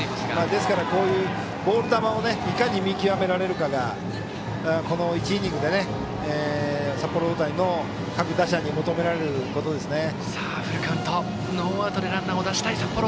ですからボール球をいかに見極められるかがこの１イニングでの札幌大谷の各打者に求められることですね。